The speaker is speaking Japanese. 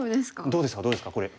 どうですかどうですかこれ。